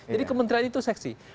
jadi kementerian itu seksi